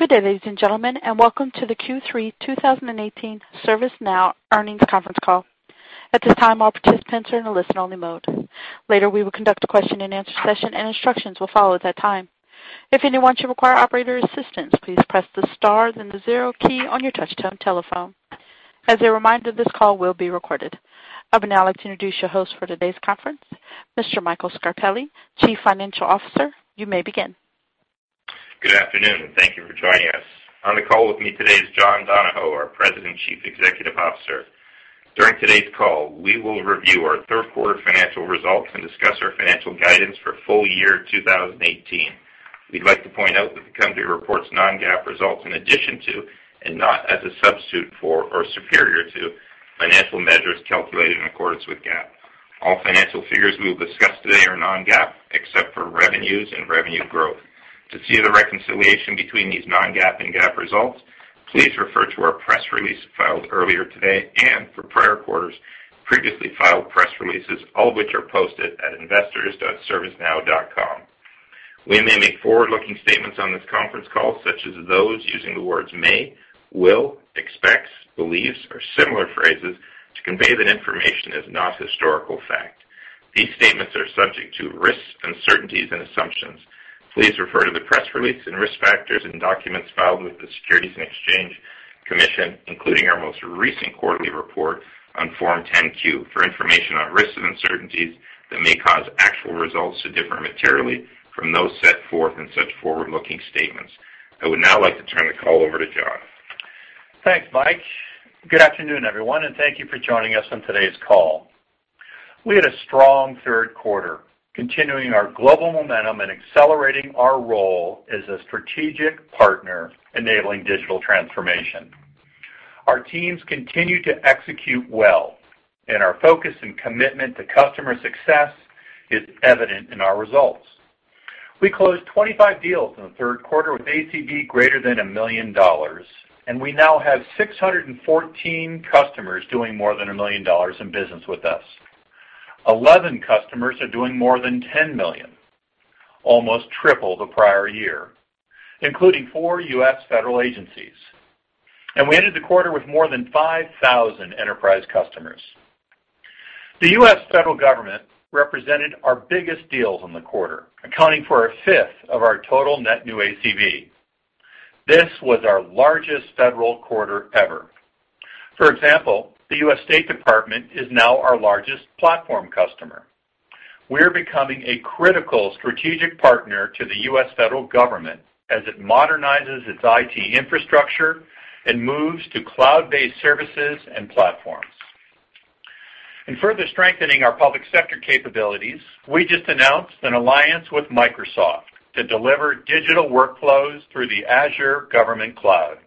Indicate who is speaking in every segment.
Speaker 1: Good day, ladies and gentlemen, welcome to the Q3 2018 ServiceNow Earnings Conference Call. At this time, all participants are in a listen-only mode. Later, we will conduct a question and answer session, and instructions will follow at that time. If anyone should require operator assistance, please press the star then the zero key on your touchtone telephone. As a reminder, this call will be recorded. I would now like to introduce your host for today's conference, Mr. Michael Scarpelli, Chief Financial Officer. You may begin.
Speaker 2: Good afternoon, and thank you for joining us. On the call with me today is John Donahoe, our President, Chief Executive Officer. During today's call, we will review our third quarter financial results and discuss our financial guidance for full year 2018. We'd like to point out that the company reports non-GAAP results in addition to, and not as a substitute for or superior to, financial measures calculated in accordance with GAAP. All financial figures we will discuss today are non-GAAP, except for revenues and revenue growth. To see the reconciliation between these non-GAAP and GAAP results, please refer to our press release filed earlier today and, for prior quarters, previously filed press releases, all of which are posted at investors.servicenow.com. We may make forward-looking statements on this conference call, such as those using the words may, will, expects, believes, or similar phrases, to convey that information is not historical fact. These statements are subject to risks, uncertainties, and assumptions. Please refer to the press release and risk factors in documents filed with the Securities and Exchange Commission, including our most recent quarterly report on Form 10-Q, for information on risks and uncertainties that may cause actual results to differ materially from those set forth in such forward-looking statements. I would now like to turn the call over to John.
Speaker 3: Thanks, Mike. Good afternoon, everyone, and thank you for joining us on today's call. We had a strong third quarter, continuing our global momentum and accelerating our role as a strategic partner enabling digital transformation. Our teams continue to execute well, and our focus and commitment to customer success is evident in our results. We closed 25 deals in the third quarter with ACV greater than $1 million, and we now have 614 customers doing more than $1 million in business with us. 11 customers are doing more than $10 million, almost triple the prior year, including four U.S. federal agencies. We ended the quarter with more than 5,000 enterprise customers. The U.S. federal government represented our biggest deals in the quarter, accounting for a fifth of our total net new ACV. This was our largest federal quarter ever. For example, the U.S. Department of State is now our largest platform customer. We're becoming a critical strategic partner to the U.S. federal government as it modernizes its IT infrastructure and moves to cloud-based services and platforms. In further strengthening our public sector capabilities, we just announced an alliance with Microsoft to deliver digital workflows through the Azure government cloud.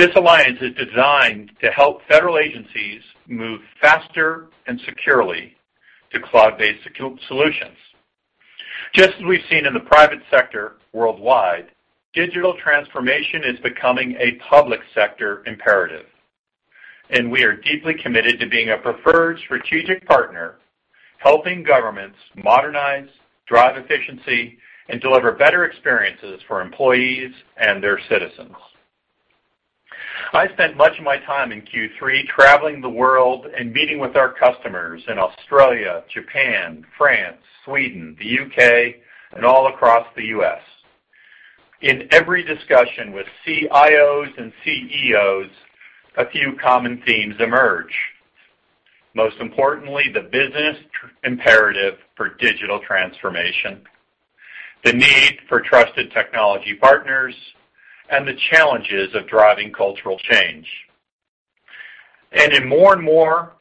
Speaker 3: This alliance is designed to help federal agencies move faster and securely to cloud-based solutions. Just as we've seen in the private sector worldwide, digital transformation is becoming a public sector imperative, and we are deeply committed to being a preferred strategic partner, helping governments modernize, drive efficiency, and deliver better experiences for employees and their citizens. I spent much of my time in Q3 traveling the world and meeting with our customers in Australia, Japan, France, Sweden, the U.K., and all across the U.S. In every discussion with CIOs and CEOs, a few common themes emerge. Most importantly, the business imperative for digital transformation, the need for trusted technology partners, and the challenges of driving cultural change. In more and more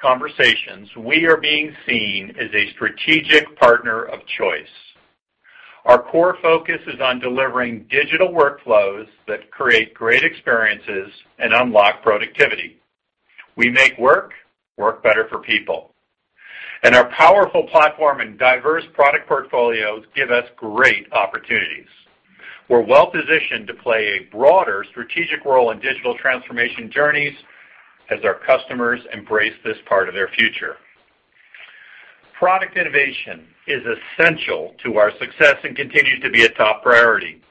Speaker 3: conversations, we are being seen as a strategic partner of choice. Our core focus is on delivering digital workflows that create great experiences and unlock productivity. We make work better for people. Our powerful platform and diverse product portfolios give us great opportunities. We're well positioned to play a broader strategic role in digital transformation journeys as our customers embrace this part of their future. Product innovation is essential to our success and continues to be a top priority.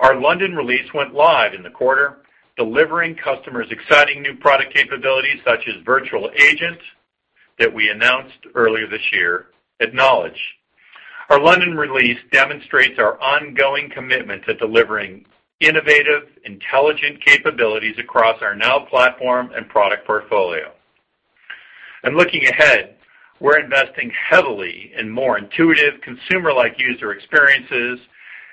Speaker 3: Our London release went live in the quarter, delivering customers exciting new product capabilities such as Virtual Agent that we announced earlier this year at Knowledge. Our London release demonstrates our ongoing commitment to delivering innovative, intelligent capabilities across our Now Platform and product portfolio. Looking ahead, we're investing heavily in more intuitive, consumer-like user experiences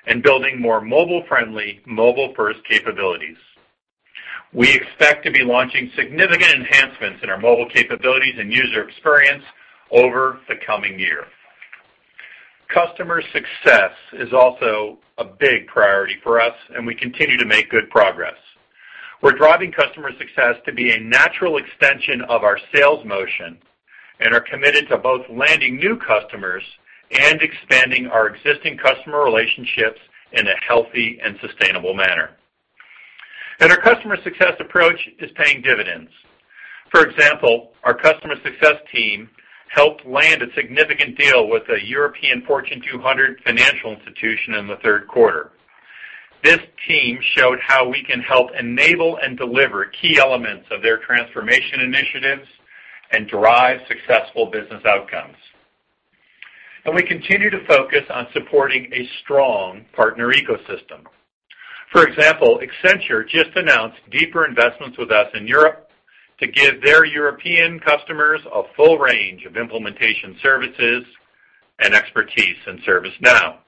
Speaker 3: and building more mobile-friendly, mobile-first capabilities. We expect to be launching significant enhancements in our mobile capabilities and user experience over the coming year. Customer success is also a big priority for us, and we continue to make good progress. We're driving customer success to be a natural extension of our sales motion and are committed to both landing new customers and expanding our existing customer relationships in a healthy and sustainable manner. Our customer success approach is paying dividends. For example, our customer success team helped land a significant deal with a European Fortune 200 financial institution in the third quarter. This team showed how we can help enable and deliver key elements of their transformation initiatives and drive successful business outcomes. We continue to focus on supporting a strong partner ecosystem. For example, Accenture just announced deeper investments with us in Europe to give their European customers a full range of implementation services and expertise in ServiceNow.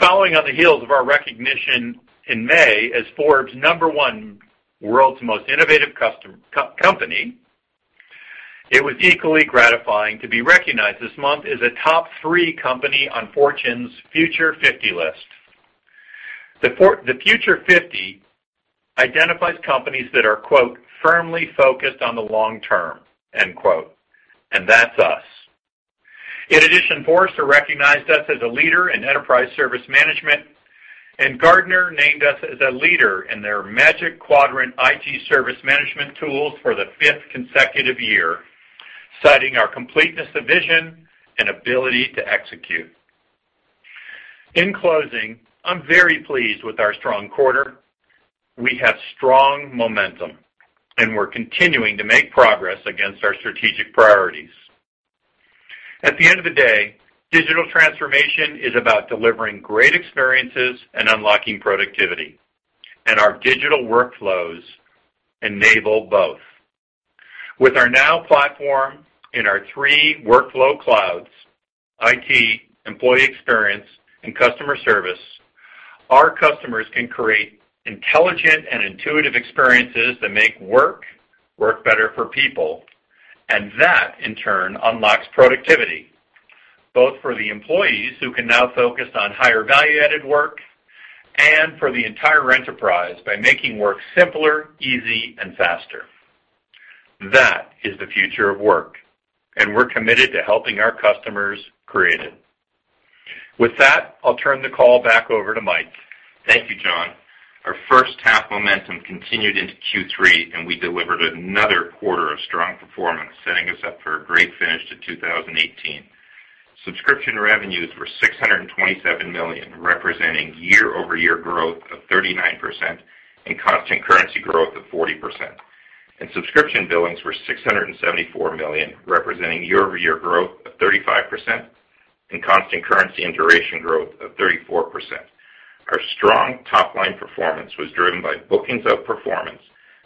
Speaker 3: Following on the heels of our recognition in May as Forbes' number one world's most innovative company, it was equally gratifying to be recognized this month as a top three company on Fortune's Future 50 list. The Future 50 identifies companies that are, quote, "firmly focused on the long term," end quote. That's us. In addition, Forrester recognized us as a leader in enterprise service management, and Gartner named us as a leader in their Magic Quadrant IT Service Management tools for the fifth consecutive year, citing our completeness of vision and ability to execute. In closing, I'm very pleased with our strong quarter. We have strong momentum, and we're continuing to make progress against our strategic priorities. At the end of the day, digital transformation is about delivering great experiences and unlocking productivity. Our digital workflows enable both. With our Now Platform in our three workflow clouds, IT, employee experience, and customer service, our customers can create intelligent and intuitive experiences that make work better for people. That, in turn, unlocks productivity, both for the employees who can now focus on higher value-added work and for the entire enterprise by making work simpler, easy, and faster. That is the future of work, and we're committed to helping our customers create it. With that, I'll turn the call back over to Mike.
Speaker 2: Thank you, John. Our first half momentum continued into Q3, and we delivered another quarter of strong performance, setting us up for a great finish to 2018. Subscription revenues were $627 million, representing year-over-year growth of 39% and constant currency growth of 40%. Subscription billings were $674 million, representing year-over-year growth of 35% and constant currency and duration growth of 34%. Our strong top-line performance was driven by bookings outperformance,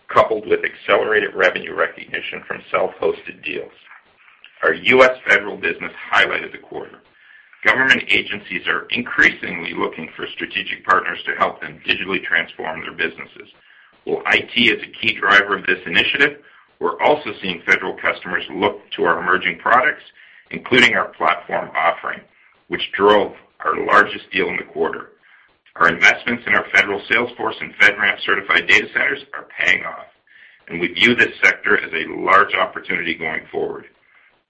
Speaker 2: coupled with accelerated revenue recognition from self-hosted deals. Our U.S. federal business highlighted the quarter. Government agencies are increasingly looking for strategic partners to help them digitally transform their businesses. While IT is a key driver of this initiative, we're also seeing federal customers look to our emerging products, including our platform offering, which drove our largest deal in the quarter. Our investments in our federal sales force and FedRAMP-certified data centers are paying off, and we view this sector as a large opportunity going forward.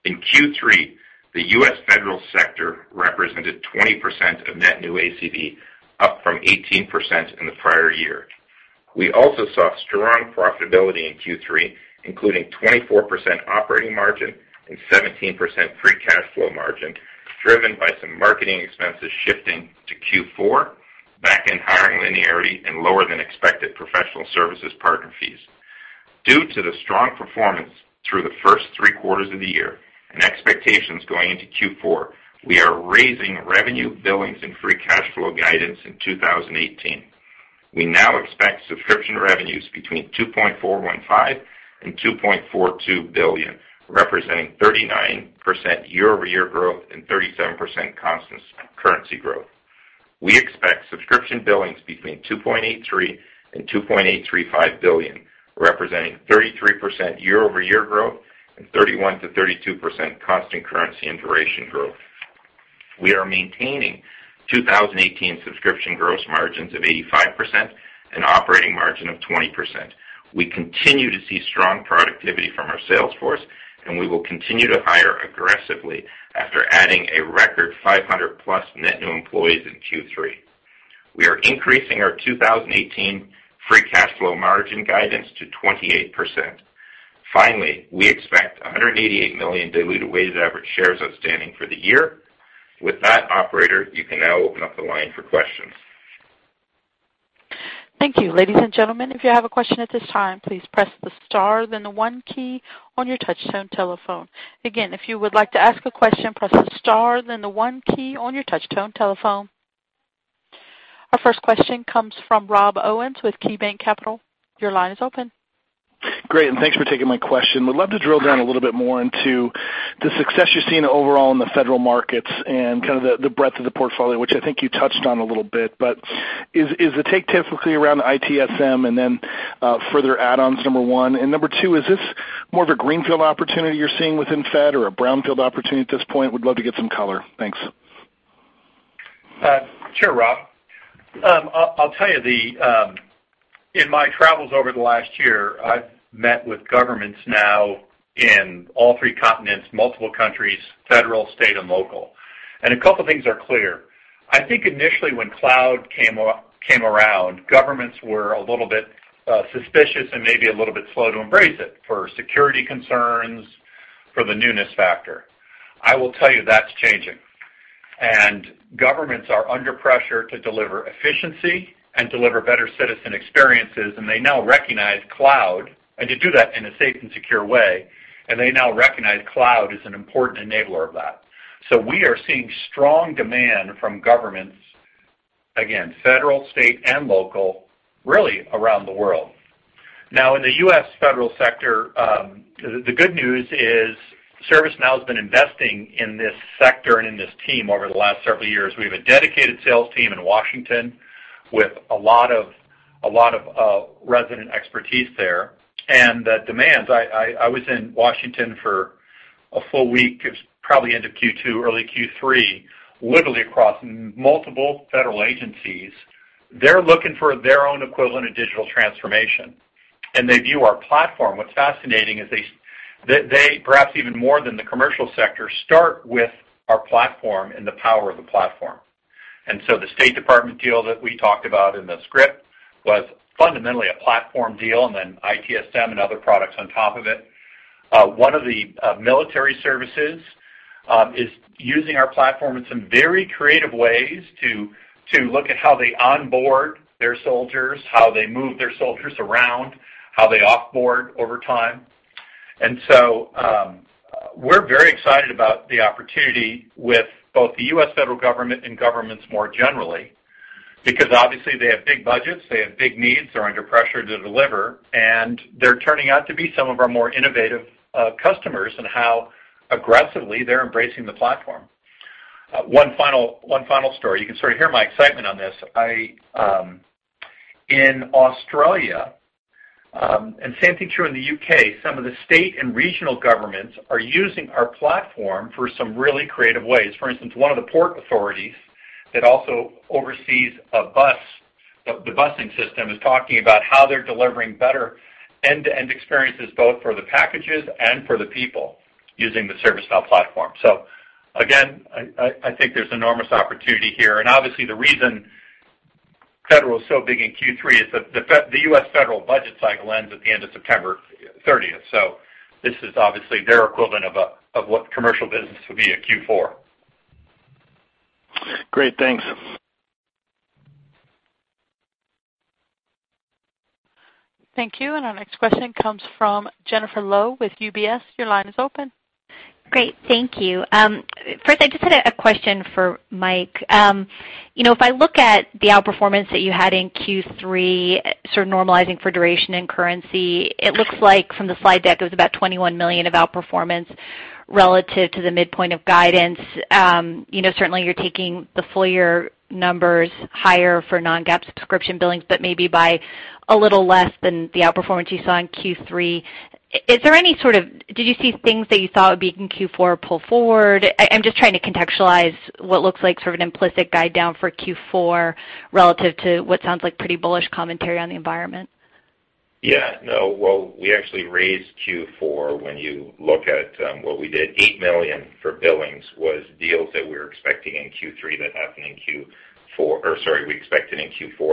Speaker 2: In Q3, the U.S. federal sector represented 20% of net new ACV, up from 18% in the prior year. We also saw strong profitability in Q3, including 24% operating margin and 17% free cash flow margin, driven by some marketing expenses shifting to Q4, back-end hiring linearity, and lower than expected professional services partner fees. Due to the strong performance through the first three quarters of the year and expectations going into Q4, we are raising revenue, billings, and free cash flow guidance in 2018. We now expect subscription revenues between $2.415 billion-$2.42 billion, representing 39% year-over-year growth and 37% constant currency growth. We expect subscription billings between $2.83 billion and $2.835 billion, representing 33% year-over-year growth and 31%-32% constant currency and duration growth. We are maintaining 2018 subscription gross margins of 85% and operating margin of 20%. We continue to see strong productivity from our sales force. We will continue to hire aggressively after adding a record 500-plus net new employees in Q3. We are increasing our 2018 free cash flow margin guidance to 28%. Finally, we expect 188 million diluted weighted average shares outstanding for the year. With that, operator, you can now open up the line for questions.
Speaker 1: Thank you. Ladies and gentlemen, if you have a question at this time, please press the star then the one key on your touchtone telephone. Again, if you would like to ask a question, press the star then the one key on your touchtone telephone. Our first question comes from Rob Owens with KeyBanc Capital. Your line is open.
Speaker 4: Great. Thanks for taking my question. Would love to drill down a little bit more into the success you're seeing overall in the federal markets and kind of the breadth of the portfolio, which I think you touched on a little bit. Is the take typically around ITSM and then further add-ons, number one? Number two, is this more of a greenfield opportunity you're seeing within Fed or a brownfield opportunity at this point? Would love to get some color. Thanks.
Speaker 3: Sure, Rob. I'll tell you, in my travels over the last year, I've met with governments now in all three continents, multiple countries, federal, state, and local. A couple things are clear. I think initially when cloud came around, governments were a little bit suspicious and maybe a little bit slow to embrace it for security concerns, for the newness factor. I will tell you that's changing. Governments are under pressure to deliver efficiency and deliver better citizen experiences, and to do that in a safe and secure way. They now recognize cloud as an important enabler of that. We are seeing strong demand from governments, again, federal, state, and local, really around the world. Now, in the U.S. federal sector, the good news is ServiceNow has been investing in this sector and in this team over the last several years. We have a dedicated sales team in Washington with a lot of resident expertise there. The demands, I was in Washington for a full week, it was probably end of Q2, early Q3, literally across multiple federal agencies. They're looking for their own equivalent of digital transformation, and they view our platform. What's fascinating is they, perhaps even more than the commercial sector, start with our platform and the power of the platform. The State Department deal that we talked about in the script was fundamentally a platform deal, and then ITSM and other products on top of it. One of the military services is using our platform in some very creative ways to look at how they onboard their soldiers, how they move their soldiers around, how they off-board over time. We're very excited about the opportunity with both the U.S. federal government and governments more generally, because obviously they have big budgets, they have big needs, they're under pressure to deliver, and they're turning out to be some of our more innovative customers in how aggressively they're embracing the platform. One final story. You can sort of hear my excitement on this. In Australia, and same thing true in the U.K., some of the state and regional governments are using our platform for some really creative ways. For instance, one of the port authorities that also oversees the busing system is talking about how they're delivering better end-to-end experiences, both for the packages and for the people, using the ServiceNow platform. Again, I think there's enormous opportunity here, and obviously the reason federal is so big in Q3 is that the U.S. federal budget cycle ends at the end of September 30th. This is obviously their equivalent of what commercial business would be at Q4.
Speaker 4: Great. Thanks.
Speaker 1: Thank you. Our next question comes from Jennifer Lowe with UBS. Your line is open.
Speaker 5: Great. Thank you. First, I just had a question for Mike. If I look at the outperformance that you had in Q3, sort of normalizing for duration and currency, it looks like from the slide deck, it was about $21 million of outperformance relative to the midpoint of guidance. Certainly, you're taking the full year numbers higher for non-GAAP subscription billings, but maybe by a little less than the outperformance you saw in Q3. Did you see things that you thought would be in Q4 pull forward? I'm just trying to contextualize what looks like sort of an implicit guide down for Q4 relative to what sounds like pretty bullish commentary on the environment.
Speaker 2: Yeah, no. Well, we actually raised Q4 when you look at what we did. $8 million for billings was deals that we were expecting in Q4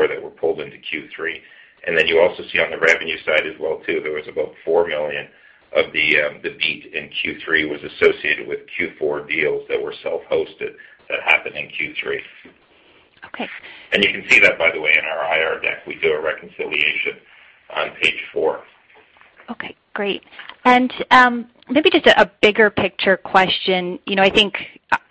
Speaker 2: that were pulled into Q3. You also see on the revenue side as well too, there was about $4 million of the beat in Q3 was associated with Q4 deals that were self-hosted that happened in Q3.
Speaker 5: Okay.
Speaker 2: You can see that, by the way, in our IR deck. We do a reconciliation on page four.
Speaker 5: Okay, great. Maybe just a bigger picture question. I think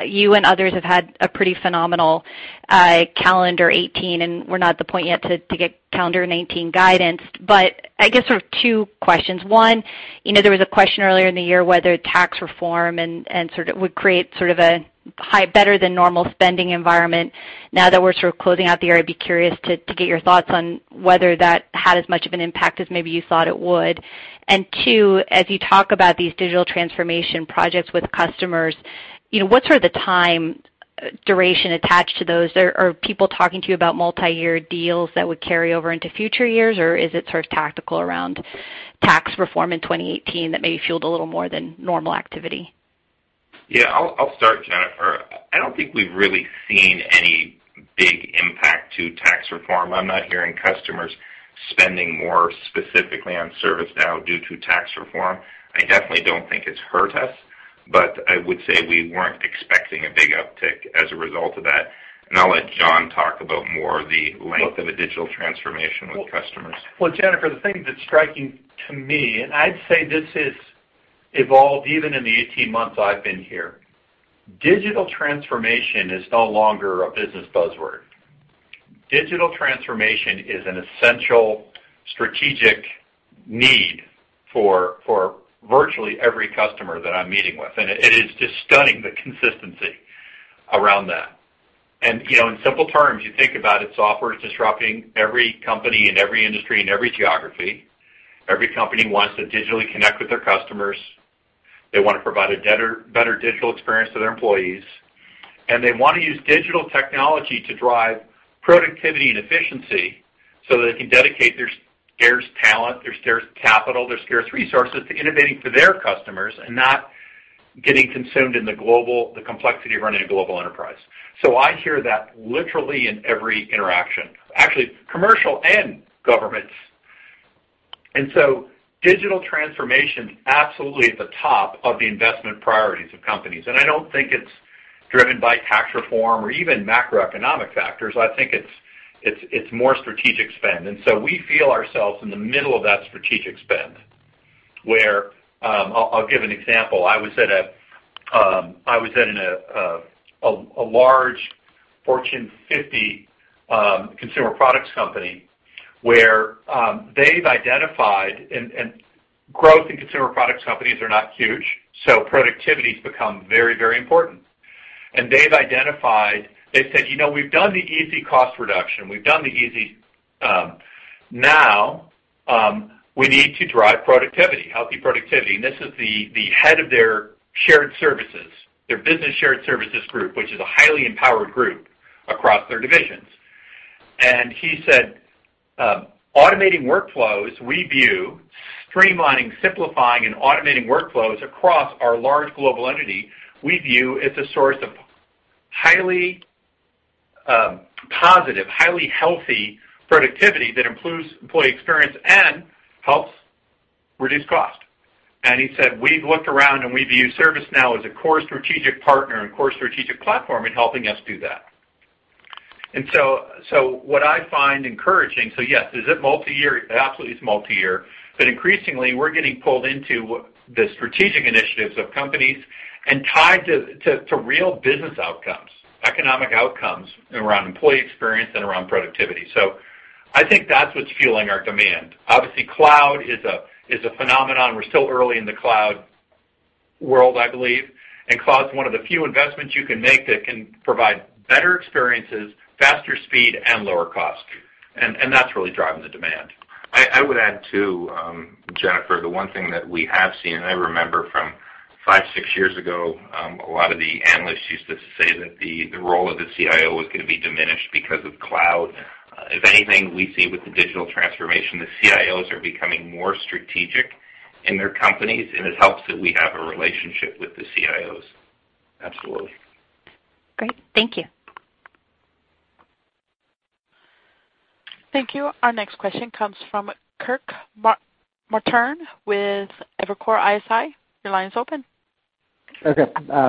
Speaker 5: you and others have had a pretty phenomenal calendar 2018, we're not at the point yet to get calendar 2019 guidance. I guess sort of two questions. One, there was a question earlier in the year whether tax reform would create sort of a better than normal spending environment. Now that we're sort of closing out the year, I'd be curious to get your thoughts on whether that had as much of an impact as maybe you thought it would. Two, as you talk about these digital transformation projects with customers, what's sort of the time duration attached to those? Are people talking to you about multi-year deals that would carry over into future years, or is it sort of tactical around tax reform in 2018 that maybe fueled a little more than normal activity?
Speaker 3: Yeah, I'll start, Jennifer. I don't think we've really seen any big impact to tax reform. I'm not hearing customers spending more specifically on ServiceNow due to tax reform. I definitely don't think it's hurt us, but I would say we weren't expecting a big uptick as a result of that. I'll let John talk about more the length of a digital transformation with customers. Well, Jennifer, the thing that's striking to me, and I'd say this has evolved even in the 18 months I've been here. Digital transformation is no longer a business buzzword. Digital transformation is an essential strategic need for virtually every customer that I'm meeting with, and it is just stunning the consistency around that. In simple terms, you think about it, software is disrupting every company, in every industry, in every geography. Every company wants to digitally connect with their customers. They want to provide a better digital experience to their employees, and they want to use digital technology to drive productivity and efficiency so that they can dedicate their capital, their scarce resources to innovating for their customers and not getting consumed in the complexity of running a global enterprise. I hear that literally in every interaction, actually commercial and governments. Digital transformation's absolutely at the top of the investment priorities of companies, and I don't think it's driven by tax reform or even macroeconomic factors. I think it's more strategic spend. We feel ourselves in the middle of that strategic spend, where, I'll give an example. I was in a large Fortune 50 consumer products company where they've identified, and growth in consumer products companies are not huge, so productivity's become very important. They've identified, they said, "We've done the easy cost reduction. Now, we need to drive productivity, healthy productivity." This is the head of their shared services, their business shared services group, which is a highly empowered group across their divisions. He said, "Streamlining, simplifying, and automating workflows across our large global entity, we view as a source of highly positive, highly healthy productivity that improves employee experience and helps reduce cost." He said, "We've looked around, and we view ServiceNow as a core strategic partner and core strategic platform in helping us do that." What I find encouraging, so yes. Is it multi-year? Absolutely, it's multi-year, but increasingly, we're getting pulled into the strategic initiatives of companies and tied to real business outcomes, economic outcomes around employee experience and around productivity. I think that's what's fueling our demand. Obviously, cloud is a phenomenon. We're still early in the cloud world, I believe, and cloud's one of the few investments you can make that can provide better experiences, faster speed, and lower cost. That's really driving the demand.
Speaker 2: I would add, too, Jennifer, the one thing that we have seen, and I remember from five, six years ago, a lot of the analysts used to say that the role of the CIO was going to be diminished because of cloud. If anything, we see with the digital transformation, the CIOs are becoming more strategic in their companies, and it helps that we have a relationship with the CIOs. Absolutely.
Speaker 5: Great. Thank you.
Speaker 1: Thank you. Our next question comes from Kirk Materne with Evercore ISI. Your line is open.
Speaker 6: Okay.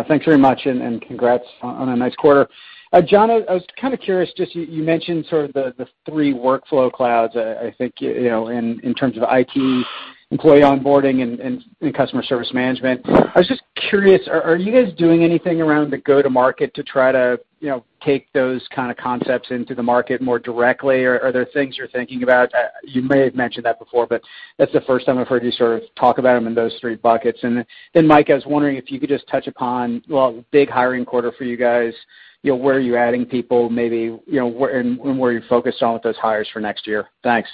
Speaker 6: Thanks very much, and congrats on a nice quarter. John, I was kind of curious, just you mentioned sort of the three workflow clouds, I think, in terms of IT employee onboarding and customer service management. I was just curious, are you guys doing anything around the go-to-market to try to take those kind of concepts into the market more directly? Are there things you're thinking about? You may have mentioned that before, but that's the first time I've heard you sort of talk about them in those three buckets. Michael, I was wondering if you could just touch upon, well, big hiring quarter for you guys, where are you adding people, maybe, and where you're focused on with those hires for next year. Thanks.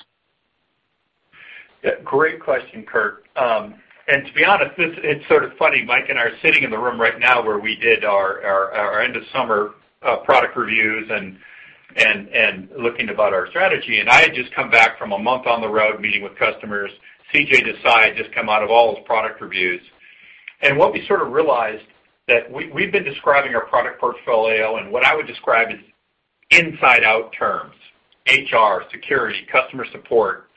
Speaker 3: Yeah. Great question, Kirk. To be honest, it's sort of funny. Michael and I are sitting in the room right now where we did our end of summer product reviews and looking about our strategy, and I had just come back from a month on the road meeting with customers. CJ Desai had just come out of all his product reviews. What we sort of realized that we've been describing our product portfolio, and what I would describe is inside-out terms, HR, security, customer support,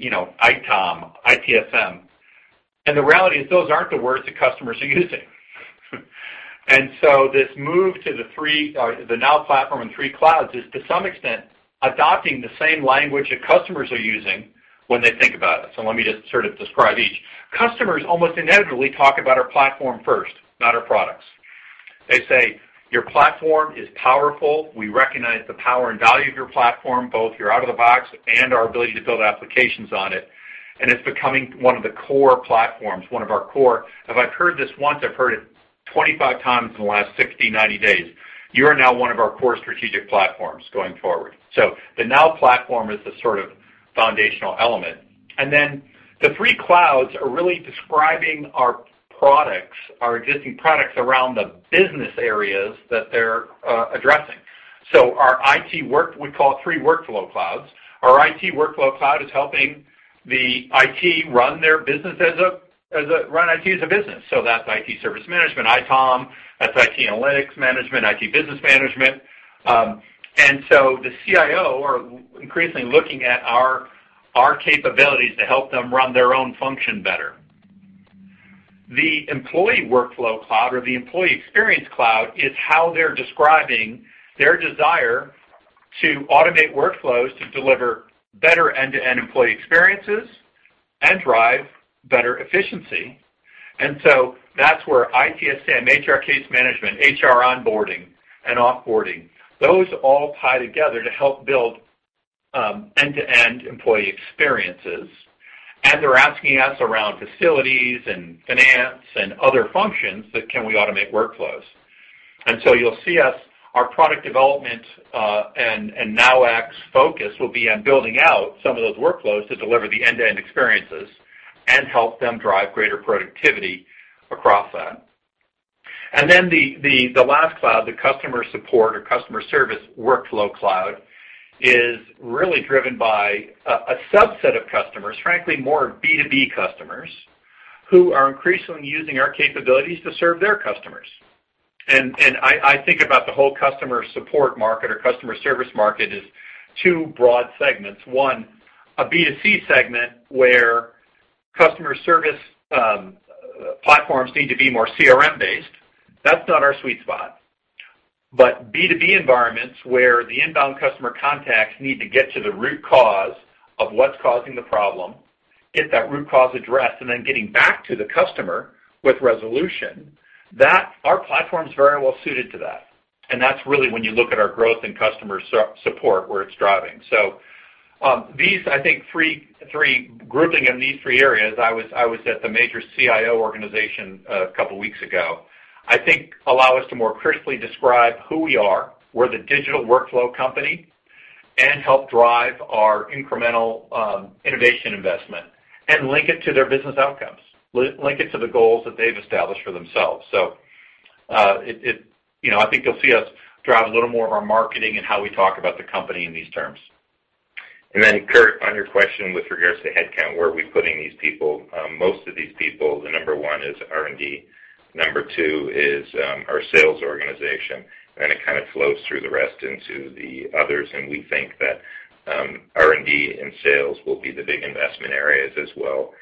Speaker 3: ITOM, ITSM, and the reality is those aren't the words that customers are using. This move to the Now Platform and three clouds is, to some extent, adopting the same language that customers are using when they think about us. Let me just sort of describe each. Customers almost inevitably talk about our platform first, not our products. They say, "Your platform is powerful. We recognize the power and value of your platform, both your out-of-the-box and our ability to build applications on it, and it's becoming one of the core platforms, one of our core" If I've heard this once, I've heard it 25 times in the last 60, 90 days. "You are now one of our core strategic platforms going forward." The Now Platform is the sort of foundational element. The three clouds are really describing our products, our existing products around the business areas that they're addressing. Our IT work, we call it three workflow clouds. Our IT workflow cloud is helping the IT run their business as a run IT as a business. That's IT service management, ITOM, that's IT analytics management, IT business management. The CIO are increasingly looking at our capabilities to help them run their own function better. The employee workflow cloud or the employee experience cloud is how they're describing their desire to automate workflows to deliver better end-to-end employee experiences and drive better efficiency. That's where ITSM, HR case management, HR onboarding and offboarding, those all tie together to help build end-to-end employee experiences. They're asking us around facilities and finance and other functions that can we automate workflows. You'll see us, our product development, and Now's focus will be on building out some of those workflows to deliver the end-to-end experiences and help them drive greater productivity across that. The last cloud, the customer support or customer service workflow cloud, is really driven by a subset of customers, frankly, more B2B customers, who are increasingly using our capabilities to serve their customers. I think about the whole customer support market or customer service market as two broad segments. One, a B2C segment, where customer service platforms need to be more CRM-based. That's not our sweet spot. B2B environments, where the inbound customer contacts need to get to the root cause of what's causing the problem, get that root cause addressed, and then getting back to the customer with resolution, our platform's very well-suited to that. That's really when you look at our growth in customer support, where it's driving. These, I think grouping in these three areas, I was at the major CIO organization a couple of weeks ago, I think allow us to more crisply describe who we are. We're the digital workflow company and help drive our incremental innovation investment and link it to their business outcomes, link it to the goals that they've established for themselves. I think you'll see us drive a little more of our marketing and how we talk about the company in these terms.
Speaker 2: Kirk, on your question with regards to headcount, where are we putting these people? Most of these people, the number one is R&D. Number two is our sales organization. It kind of flows through the rest into the others. We think that R&D and sales will be the big investment areas as well,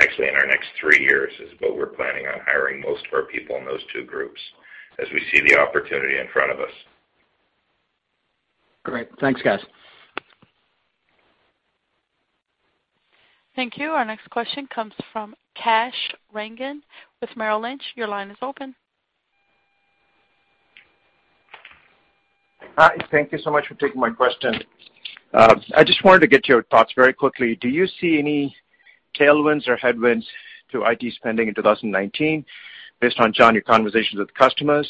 Speaker 2: actually in our next three years is what we're planning on hiring most of our people in those two groups, as we see the opportunity in front of us.
Speaker 6: Great. Thanks, guys.
Speaker 1: Thank you. Our next question comes from Kash Rangan with Merrill Lynch. Your line is open.
Speaker 7: Hi, thank you so much for taking my question. I just wanted to get your thoughts very quickly. Do you see any tailwinds or headwinds to IT spending in 2019 based on, John, your conversations with customers?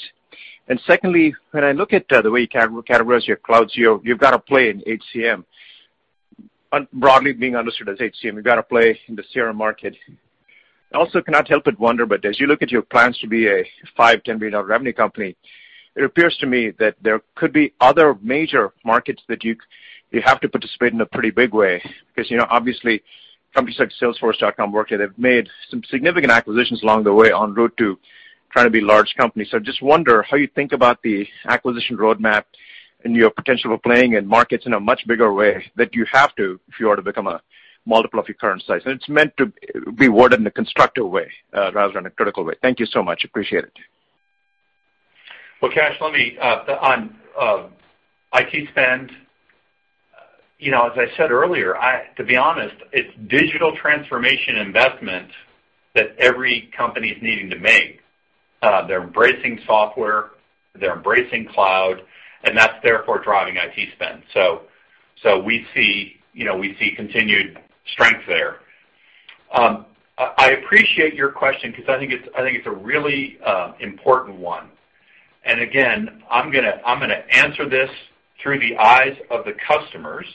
Speaker 7: Secondly, when I look at the way you categorize your clouds, you've got a play in HCM. Broadly being understood as HCM, you've got a play in the CRM market. I also cannot help but wonder, as you look at your plans to be a $5 billion, $10 billion revenue company, it appears to me that there could be other major markets that you have to participate in a pretty big way. Obviously, companies like Salesforce.com, Workday, they've made some significant acquisitions along the way en route to trying to be large companies. I just wonder how you think about the acquisition roadmap and your potential of playing in markets in a much bigger way that you have to if you are to become a multiple of your current size. It's meant to be worded in a constructive way rather than a critical way. Thank you so much. Appreciate it.
Speaker 3: Well, Kash, on IT spend, as I said earlier, to be honest, it's digital transformation investment that every company is needing to make. They're embracing software, they're embracing cloud, and that's therefore driving IT spend. We see continued strength there. I appreciate your question because I think it's a really important one. Again, I'm going to answer this through the eyes of the customers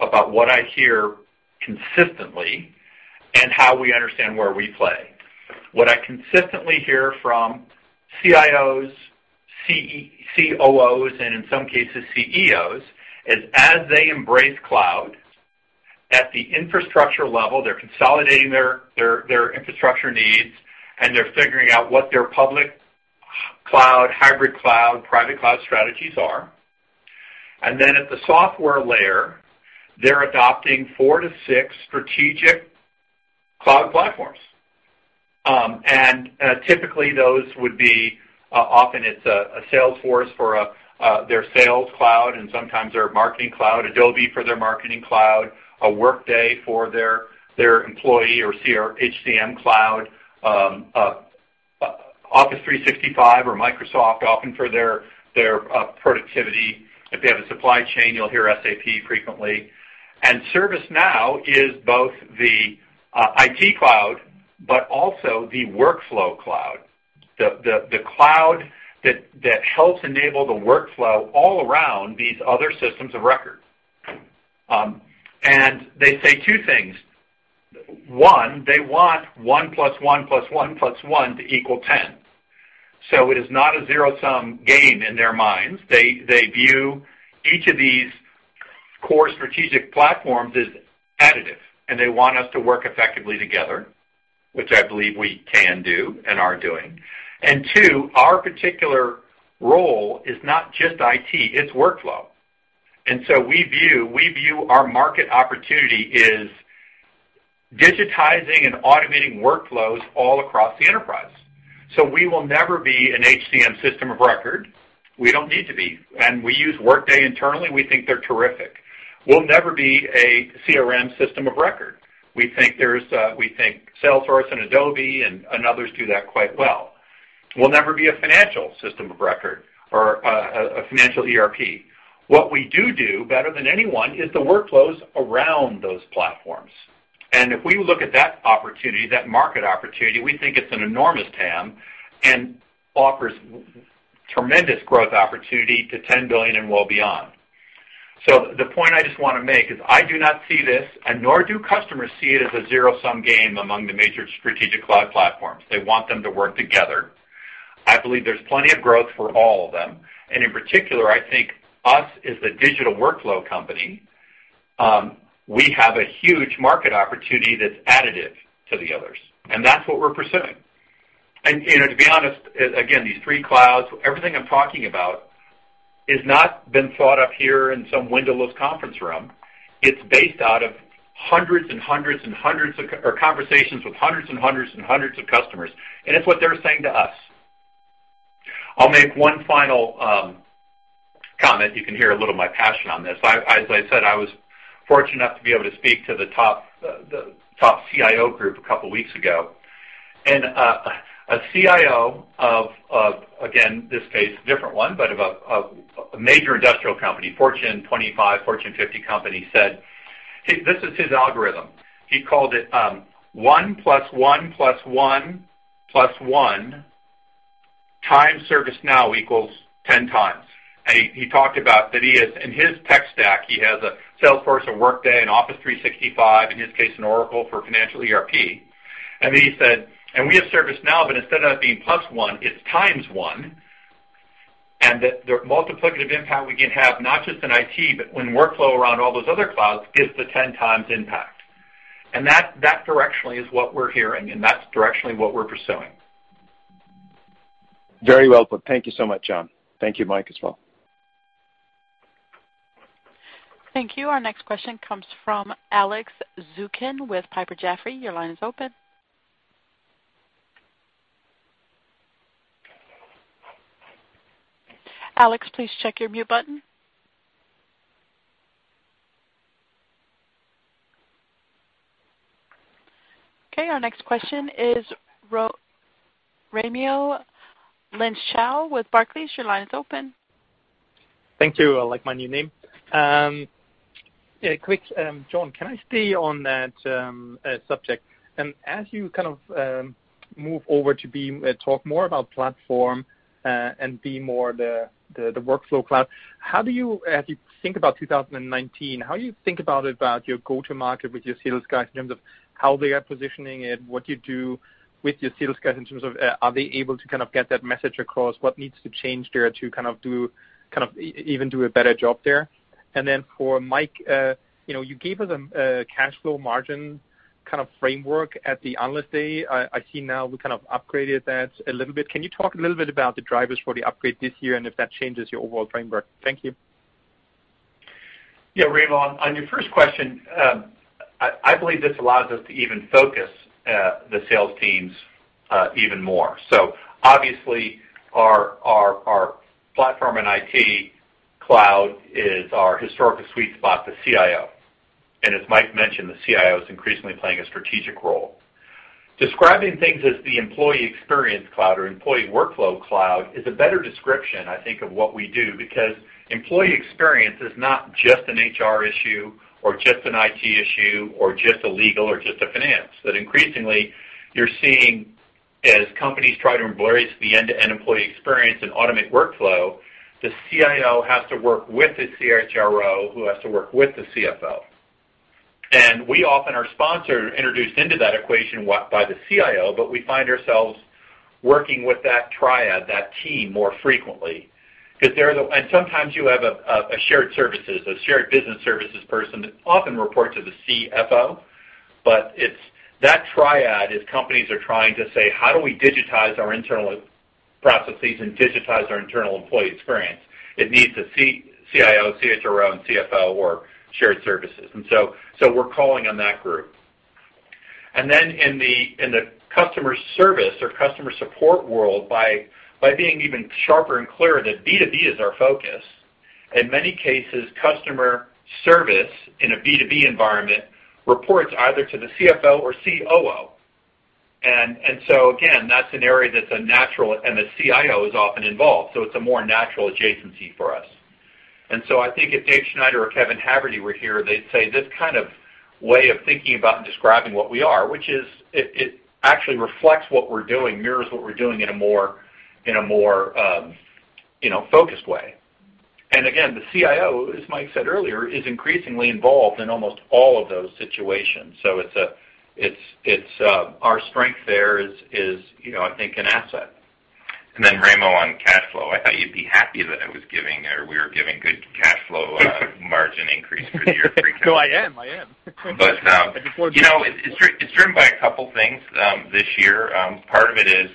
Speaker 3: about what I hear consistently and how we understand where we play. What I consistently hear from CIOs, COOs, and in some cases, CEOs, is as they embrace cloud, at the infrastructure level, they're consolidating their infrastructure needs, and they're figuring out what their public cloud, hybrid cloud, private cloud strategies are. Then at the software layer, they're adopting four to six strategic cloud platforms. Typically, those would be, often it's a Salesforce for their sales cloud and sometimes their marketing cloud, Adobe for their marketing cloud, a Workday for their employee or HCM cloud, Office 365 or Microsoft often for their productivity. If they have a supply chain, you'll hear SAP frequently. ServiceNow is both the IT cloud but also the workflow cloud, the cloud that helps enable the workflow all around these other systems of record. They say two things. One, they want one plus one plus one plus one to equal 10. It is not a zero-sum game in their minds. They view each of these core strategic platforms as additive, and they want us to work effectively together, which I believe we can do and are doing. Two, our particular role is not just IT, it's workflow. We view our market opportunity is digitizing and automating workflows all across the enterprise. We will never be an HCM system of record. We don't need to be. We use Workday internally. We think they're terrific. We'll never be a CRM system of record. We think Salesforce and Adobe and others do that quite well. We'll never be a financial system of record or a financial ERP. What we do do better than anyone is the workflows around those platforms. If we look at that opportunity, that market opportunity, we think it's an enormous TAM and offers tremendous growth opportunity to $10 billion and well beyond. The point I just want to make is I do not see this, and nor do customers see it as a zero-sum game among the major strategic cloud platforms. They want them to work together. I believe there's plenty of growth for all of them. In particular, I think us as the digital workflow company, we have a huge market opportunity that's additive to the others. That's what we're pursuing. To be honest, again, these three clouds, everything I'm talking about has not been thought up here in some windowless conference room. It's based out of hundreds and hundreds and hundreds of conversations with hundreds and hundreds and hundreds of customers, and it's what they're saying to us. I'll make one final comment. You can hear a little of my passion on this. As I said, I was fortunate enough to be able to speak to the top CIO group a couple of weeks ago. A CIO of, again, this case, a different one, but of a major industrial company, Fortune 25, Fortune 50 company, said this is his algorithm. He called it one plus one plus one plus one times ServiceNow equals 10 times. He talked about that he has in his tech stack, he has a Salesforce, a Workday, an Office 365, in his case, an Oracle for financial ERP. Then he said, "We have ServiceNow, but instead of that being plus one, it's times one, and that the multiplicative impact we can have, not just in IT, but when workflow around all those other clouds is the 10 times impact." That directionally is what we're hearing, that's directionally what we're pursuing.
Speaker 7: Very well put. Thank you so much, John. Thank you, Mike, as well.
Speaker 1: Thank you. Our next question comes from Alex Zukin with Piper Jaffray. Your line is open. Alex, please check your mute button. Our next question is Raimo Lenschow with Barclays. Your line is open.
Speaker 8: Thank you. I like my new name. Quick, John, can I stay on that subject? As you kind of move over to talk more about platform, and be more the workflow cloud, as you think about 2019, how do you think about your go-to-market with your sales guys in terms of how they are positioning it, what you do with your sales guys in terms of are they able to kind of get that message across? What needs to change there to kind of even do a better job there? For Mike, you gave us a cash flow margin kind of framework at the Analyst Day. I see now we kind of upgraded that a little bit. Can you talk a little bit about the drivers for the upgrade this year, and if that changes your overall framework? Thank you.
Speaker 3: Raimo, on your first question, I believe this allows us to even focus the sales teams even more. Obviously, our platform and IT cloud is our historical sweet spot, the CIO. As Mike mentioned, the CIO is increasingly playing a strategic role. Describing things as the employee experience cloud or employee workflow cloud is a better description, I think, of what we do because employee experience is not just an HR issue or just an IT issue or just a legal or just a finance. Increasingly, you're seeing as companies try to embrace the end-to-end employee experience and automate workflow, the CIO has to work with the CHRO, who has to work with the CFO. We often are sponsored, introduced into that equation by the CIO, but we find ourselves working with that triad, that team more frequently. Sometimes you have a shared services, a shared business services person that often reports to the CFO. It's that triad as companies are trying to say, "How do we digitize our internal processes and digitize our internal employee experience?" It needs the CIO, CHRO, and CFO or shared services. We're calling on that group. In the customer service or customer support world by being even sharper and clearer that B2B is our focus. In many cases, customer service in a B2B environment reports either to the CFO or COO. Again, that's an area that's a natural, and the CIO is often involved, so it's a more natural adjacency for us. I think if Dave Schneider or Kevin Haverty were here, they'd say this kind of way of thinking about and describing what we are, which is it actually reflects what we're doing, mirrors what we're doing in a more focused way. Again, the CIO, as Mike said earlier, is increasingly involved in almost all of those situations. Our strength there is I think an asset.
Speaker 2: Rame on cash flow, I thought you'd be happy that I was giving or we were giving good cash flow margin increase for the year.
Speaker 8: No, I am. I am.
Speaker 2: But-
Speaker 8: I just wanted.
Speaker 2: It's driven by a couple things this year. Part of it is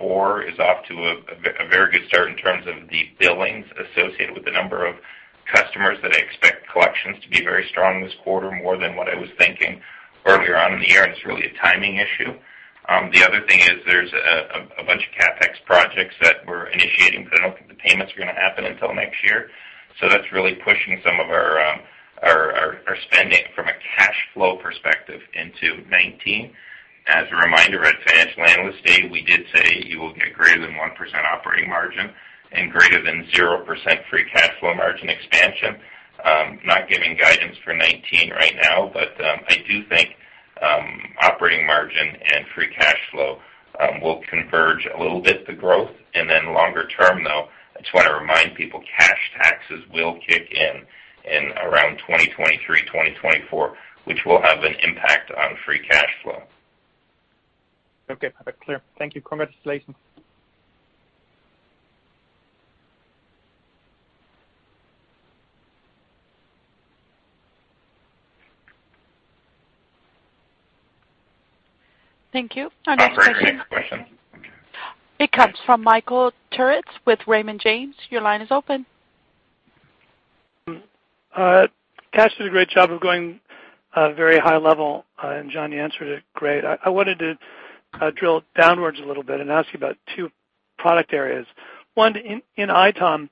Speaker 2: Q4 is off to a very good start in terms of the billings associated with the number of customers that I expect collections to be very strong this quarter, more than what I was thinking earlier on in the year, it's really a timing issue. The other thing is there's a bunch of CapEx projects that we're initiating, but I don't think the payments are going to happen until next year. That's really pushing some of our spending from a cash flow perspective into 2019. As a reminder, at Financial Analyst Day, we did say you will get greater than 1% operating margin and greater than 0% free cash flow margin expansion. Not giving guidance for 2019 right now, but I do think will converge a little bit the growth. Longer term, though, I just want to remind people, cash taxes will kick in in around 2023, 2024, which will have an impact on free cash flow.
Speaker 8: Okay. Perfect. Clear. Thank you. Congratulations.
Speaker 1: Thank you. Our next question.
Speaker 2: Our very next question. Thank you.
Speaker 1: It comes from Michael Turits with Raymond James. Your line is open.
Speaker 9: Kash did a great job of going very high level, and John, you answered it great. I wanted to drill downwards a little bit and ask you about two product areas. One, in ITOM,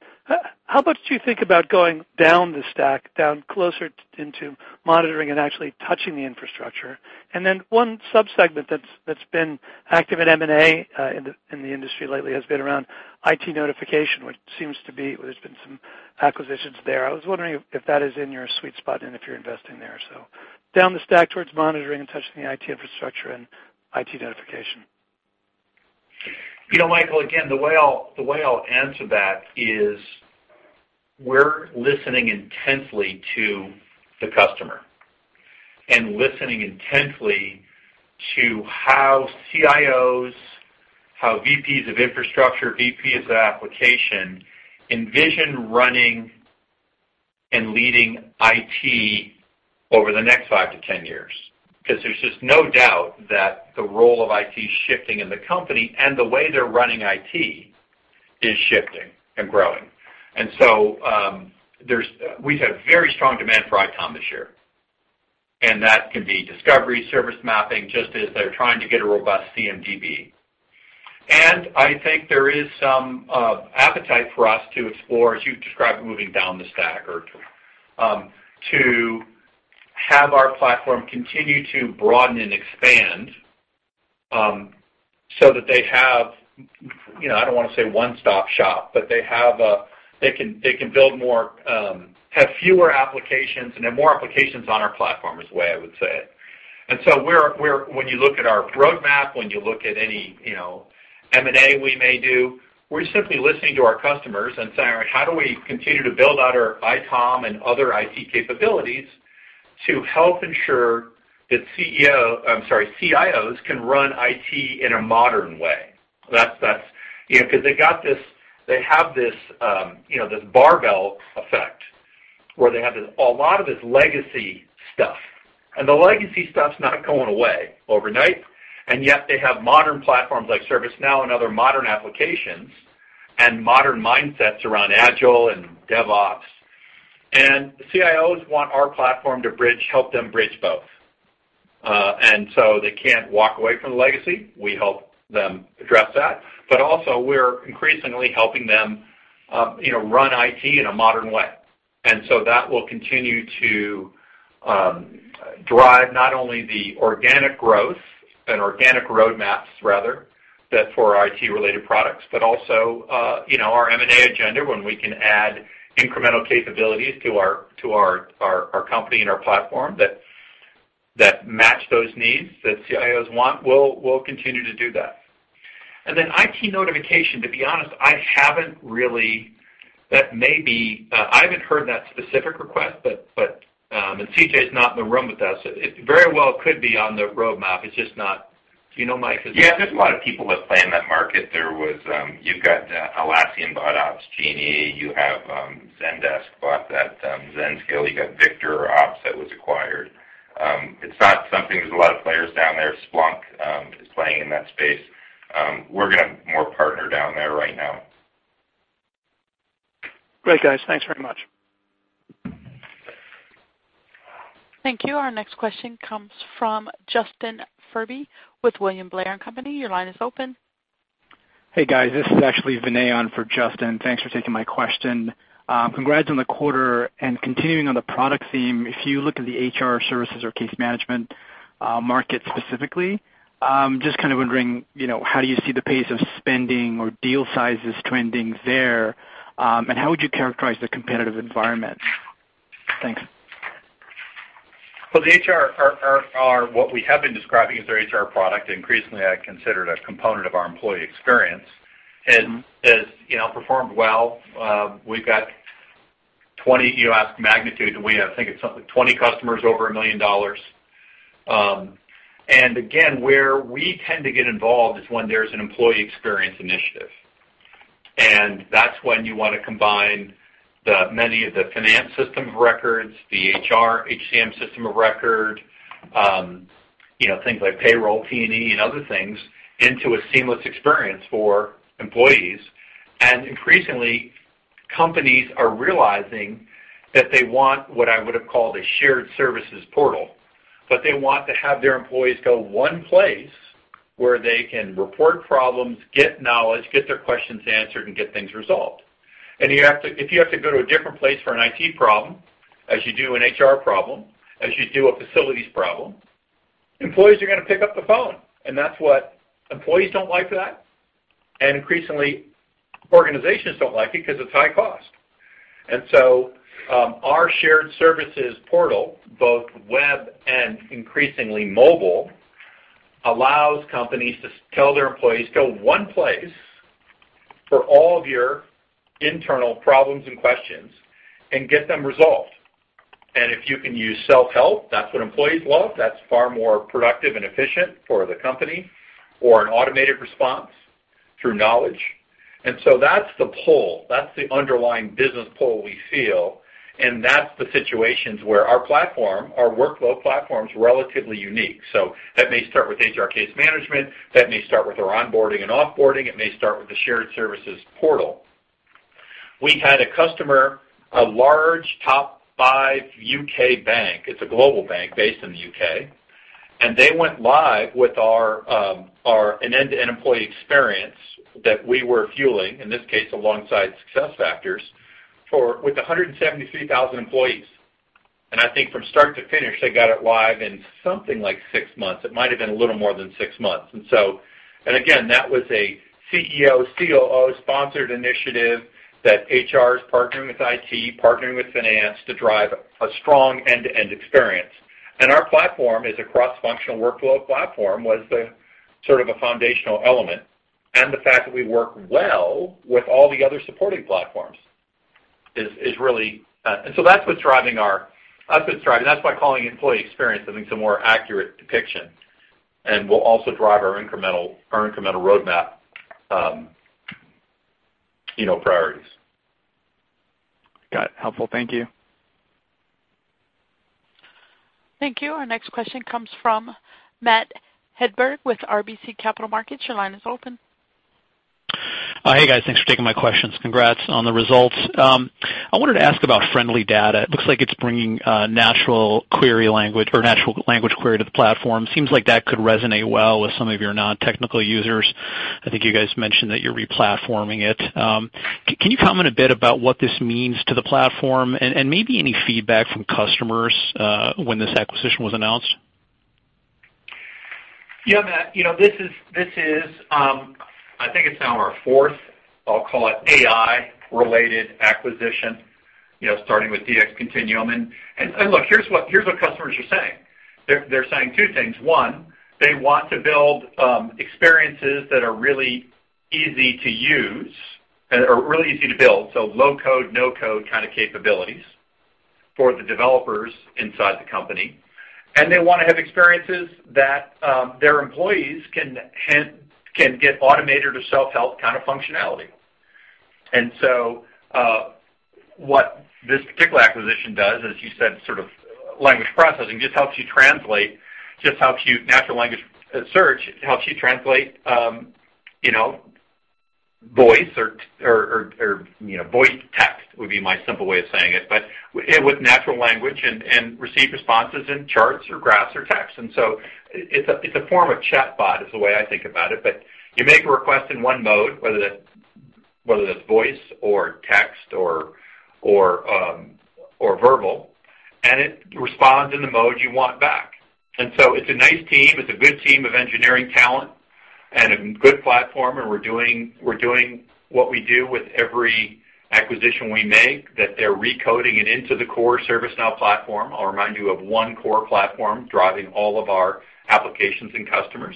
Speaker 9: how much do you think about going down the stack, down closer into monitoring and actually touching the infrastructure? One sub-segment that's been active in M&A in the industry lately has been around IT notification, there's been some acquisitions there. I was wondering if that is in your sweet spot and if you're investing there. Down the stack towards monitoring and touching the IT infrastructure and IT notification.
Speaker 3: Michael, again, the way I'll answer that is we're listening intently to the customer and listening intently to how CIOs, how VPs of infrastructure, VPs of application envision running and leading IT over the next five to 10 years. There's just no doubt that the role of IT shifting in the company and the way they're running IT is shifting and growing. We've had very strong demand for ITOM this year, and that can be discovery, service mapping, just as they're trying to get a robust CMDB. I think there is some appetite for us to explore, as you described, moving down the stack or to have our platform continue to broaden and expand, so that they have, I don't want to say one-stop shop, but they can have fewer applications and have more applications on our platform, is the way I would say it. When you look at our roadmap, when you look at any M&A we may do, we're simply listening to our customers and saying, "All right, how do we continue to build out our ITOM and other IT capabilities to help ensure that CIOs can run IT in a modern way?" They have this barbell effect, where they have a lot of this legacy stuff, and the legacy stuff's not going away overnight. Yet they have modern platforms like ServiceNow and other modern applications and modern mindsets around Agile and DevOps. CIOs want our platform to help them bridge both. They can't walk away from the legacy. We help them address that. Also, we're increasingly helping them run IT in a modern way. That will continue to drive not only the organic growth and organic roadmaps rather, for IT-related products, but also our M&A agenda, when we can add incremental capabilities to our company and our platform that match those needs that CIOs want, we'll continue to do that. IT notification, to be honest, I haven't heard that specific request, and CJ's not in the room with us. It very well could be on the roadmap. Do you know, Mike, is it?
Speaker 2: Yeah, there's a lot of people that play in that market. You've got Atlassian bought Opsgenie, you have Zendesk bought that Zenskill. You got VictorOps that was acquired. It's not something, there's a lot of players down there. Splunk is playing in that space. We're going to more partner down there right now.
Speaker 9: Great, guys. Thanks very much.
Speaker 1: Thank you. Our next question comes from Justin Forte with William Blair & Company. Your line is open.
Speaker 10: Hey, guys. This is actually Vinay on for Justin. Thanks for taking my question. Congrats on the quarter. Continuing on the product theme, if you look at the HR services or case management market specifically, just kind of wondering, how do you see the pace of spending or deal sizes trending there? How would you characterize the competitive environment? Thanks.
Speaker 3: Well, the HR, what we have been describing as our HR product, increasingly, I consider it a component of our employee experience, has performed well. You asked magnitude, we have, I think it's something, 20 customers over $1 million. Again, where we tend to get involved is when there's an employee experience initiative. That's when you want to combine many of the finance system of records, the HR, HCM system of record, things like payroll, T&E, and other things into a seamless experience for employees. Increasingly, companies are realizing that they want what I would've called a shared services portal. They want to have their employees go one place where they can report problems, get knowledge, get their questions answered, and get things resolved. If you have to go to a different place for an IT problem, as you do an HR problem, as you do a facilities problem, employees are going to pick up the phone. Employees don't like that. Increasingly, organizations don't like it because it's high cost. Our shared services portal, both web and increasingly mobile, allows companies to tell their employees, "Go one place for all of your internal problems and questions, and get them resolved." If you can use self-help, that's what employees love, that's far more productive and efficient for the company, or an automated response through Knowledge. That's the pull, that's the underlying business pull we feel, and that's the situations where our platform, our workflow platform's relatively unique. That may start with HR case management, that may start with our onboarding and off-boarding, it may start with the shared services portal. We had a customer, a large top 5 U.K. bank. It's a global bank based in the U.K., and they went live with our end-to-end employee experience that we were fueling, in this case, alongside SuccessFactors, with 173,000 employees. I think from start to finish, they got it live in something like six months. It might've been a little more than six months. Again, that was a CEO, COO-sponsored initiative that HR is partnering with IT, partnering with finance to drive a strong end-to-end experience. Our platform is a cross-functional workflow platform, was the sort of a foundational element. The fact that we work well with all the other supporting platforms, that's why calling it employee experience, I think, is a more accurate depiction, and will also drive our incremental roadmap priorities.
Speaker 10: Got it. Helpful. Thank you.
Speaker 1: Thank you. Our next question comes from Matthew Hedberg with RBC Capital Markets. Your line is open.
Speaker 11: Hi, guys. Thanks for taking my questions. Congrats on the results. I wanted to ask about FriendlyData. It looks like it's bringing natural query language or natural language query to the platform. Seems like that could resonate well with some of your non-technical users. I think you guys mentioned that you're re-platforming it. Can you comment a bit about what this means to the platform, and maybe any feedback from customers when this acquisition was announced?
Speaker 3: Yeah, Matt. This is, I think it's now our fourth, I'll call it AI-related acquisition, starting with DxContinuum. Look, here's what customers are saying. They're saying two things. One, they want to build experiences that are really easy to use, or really easy to build. Low code, no code kind of capabilities for the developers inside the company, they want to have experiences that their employees can get automated or self-help kind of functionality. What this particular acquisition does, as you said, sort of language processing, just helps you translate, natural language search helps you translate voice or voice text would be my simple way of saying it. With natural language, and receive responses in charts or graphs or texts. It's a form of chatbot, is the way I think about it. You make a request in one mode, whether that's voice or text or verbal, it responds in the mode you want back. It's a nice team, it's a good team of engineering talent and a good platform, we're doing what we do with every acquisition we make, that they're recoding it into the core ServiceNow platform. I'll remind you of one core platform driving all of our applications and customers.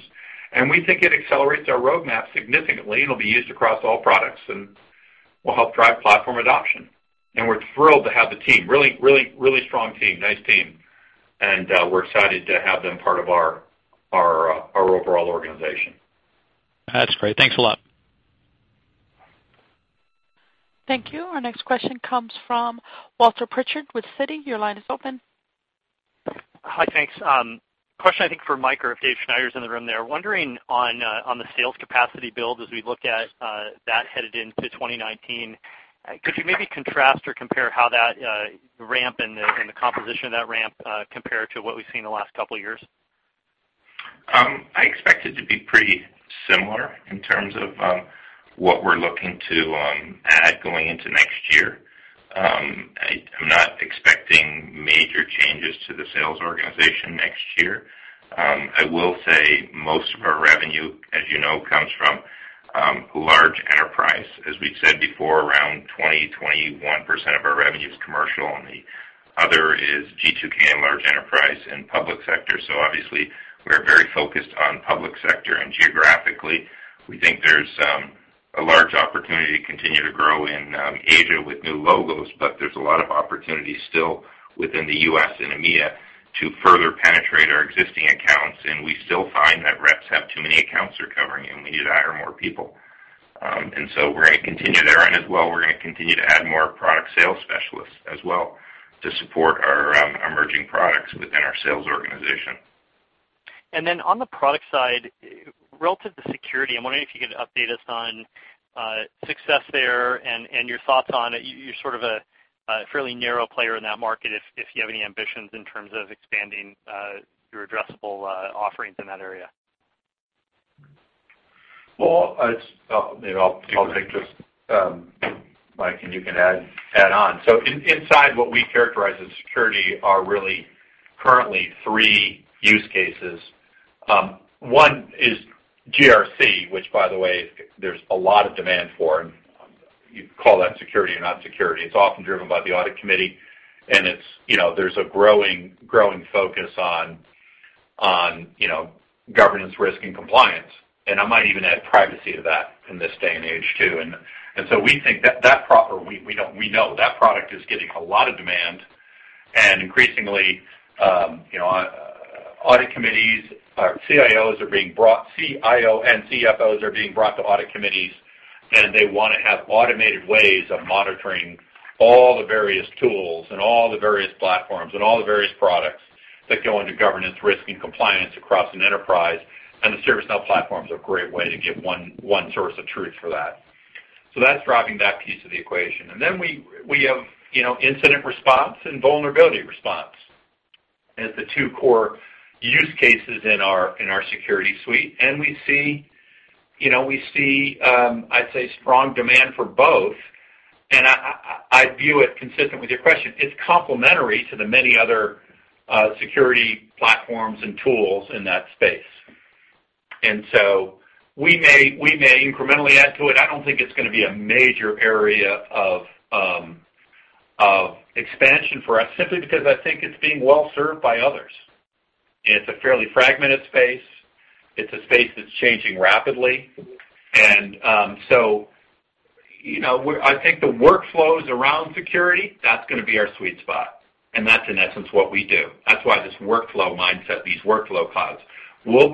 Speaker 3: We think it accelerates our roadmap significantly, it'll be used across all products, will help drive platform adoption. We're thrilled to have the team. Really strong team, nice team, we're excited to have them part of our overall organization.
Speaker 11: That's great. Thanks a lot.
Speaker 1: Thank you. Our next question comes from Walter Pritchard with Citi. Your line is open.
Speaker 12: Hi, thanks. Question, I think, for Mike or if David Schneider's in the room there. Wondering on the sales capacity build as we look at that headed into 2019. Could you maybe contrast or compare how that ramp and the composition of that ramp compare to what we've seen in the last couple of years?
Speaker 2: I expect it to be pretty similar in terms of what we're looking to add going into next year. I'm not expecting major changes to the sales organization next year. I will say most of our revenue, as you know, comes from large enterprise. As we've said before, around 20%, 21% of our revenue is commercial, and the other is G2K and large enterprise and public sector. Obviously, we're very focused on public sector, and geographically, we think there's a large opportunity to continue to grow in Asia with new logos. There's a lot of opportunities still within the U.S. and EMEA to further penetrate our existing accounts, and we still find that reps have too many accounts they're covering, and we need to hire more people. We're going to continue there. As well, we're going to continue to add more product sales specialists as well to support our emerging products within our sales organization.
Speaker 12: On the product side, relative to security, I'm wondering if you could update us on success there and your thoughts on it. You're sort of a fairly narrow player in that market, if you have any ambitions in terms of expanding your addressable offerings in that area.
Speaker 3: I'll take this, Mike, and you can add on. Inside what we characterize as security are really currently three use cases. One is GRC, which by the way, there's a lot of demand for, and you can call that security or not security. It's often driven by the audit committee, and there's a growing focus on governance, risk, and compliance. I might even add privacy to that in this day and age, too. We know that product is getting a lot of demand, and increasingly, CIO and CFOs are being brought to audit committees, and they want to have automated ways of monitoring all the various tools and all the various platforms and all the various products that go into governance, risk, and compliance across an enterprise. The ServiceNow platform's a great way to get one source of truth for that. That's driving that piece of the equation. We have incident response and vulnerability response as the two core use cases in our security suite. We see, I'd say, strong demand for both. I view it consistent with your question. It's complementary to the many other security platforms and tools in that space. We may incrementally add to it. I don't think it's going to be a major area of expansion for us, simply because I think it's being well-served by others. It's a fairly fragmented space. It's a space that's changing rapidly. I think the workflows around security, that's going to be our sweet spot, and that's in essence what we do. That's why this workflow mindset, these workflow clouds, will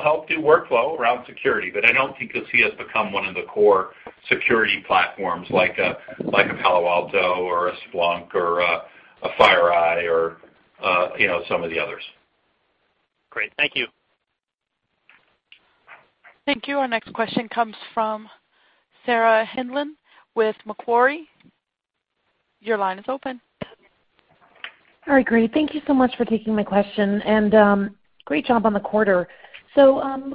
Speaker 3: help do workflow around security. I don't think you'll see us become one of the core security platforms like a Palo Alto or a Splunk or a FireEye or some of the others. Great. Thank you.
Speaker 1: Thank you. Our next question comes from Sarah Hindlian-Glaser with Macquarie. Your line is open.
Speaker 13: All right, great. Thank you so much for taking my question, and great job on the quarter.